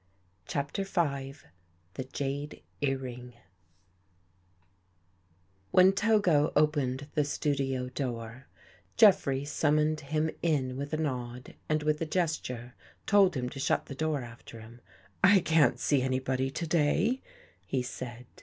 CHAPTER V THE JADE EARRING HEN Togo opened the studio door, Jeffrey vv summoned him in with a nod and with a ges ture told him to shut the door after him. " I can't see anybody to day," he said.